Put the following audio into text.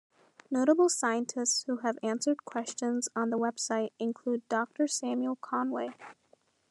Notable scientists who have answered questions on the website include Doctor Samuel Conway.